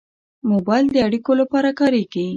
موبایل د اړیکو لپاره کارېږي.